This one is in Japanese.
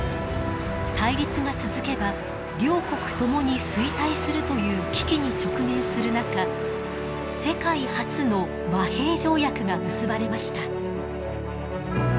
対立が続けば両国ともに衰退するという危機に直面する中世界初の和平条約が結ばれました。